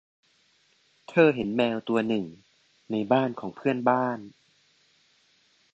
เธอเห็นแมวตัวหนึ่งในบ้านของเพื่อนบ้าน